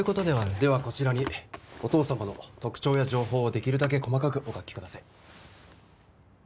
ではこちらにお父さまの特徴や情報をできるだけ細かくお書きください。